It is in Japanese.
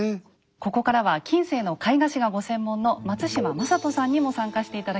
ここからは近世の絵画史がご専門の松嶋雅人さんにも参加して頂きます。